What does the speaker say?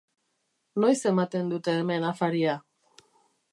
Noiz ematen dute hemen afaria?